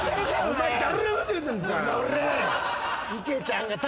お前誰のこと言うてんねん。